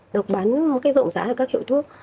được bán rộng rãi ở các kiểu thuốc